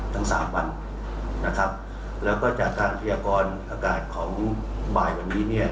ทั้งสามวันนะครับแล้วก็จากการพยากรอากาศของบ่ายวันนี้เนี่ย